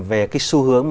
về cái xu hướng